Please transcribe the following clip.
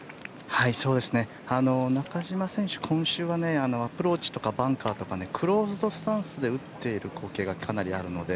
中島選手、今週はアプローチとかバンカーとかクローズドスタンスで打っている光景がかなりあるので。